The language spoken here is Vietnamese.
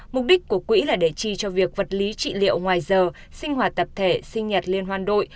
mục đích của quỹ là để chi cho việc vật lý trị liệu ngoài giờ sinh hoạt tập thể sinh nhật liên hoan đội